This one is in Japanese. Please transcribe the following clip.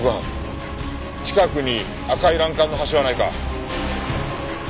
近くに赤い欄干の橋はないか？